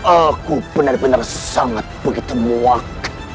aku benar benar sangat begitu muak